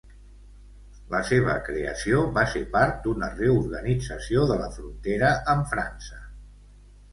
La seva creació va ser part d'una reorganització de la frontera amb França.